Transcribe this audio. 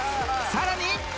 さらに